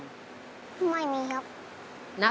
ไม่มีครับ